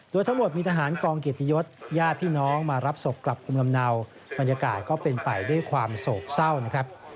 โดยทั้งหมดมีทหารกองเกียรติยศญาติพี่น้องมารับศพกลับภูมิลำเนาบรรยากาศก็เป็นไปด้วยความโศกเศร้านะครับ